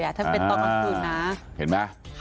ถ้าเป็นตอนกลางคืนนะ